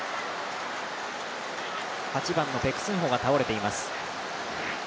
８番のペク・スンホが倒れています。